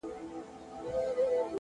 بیا ورته وایه چي ولي زه هر ځل زه یم”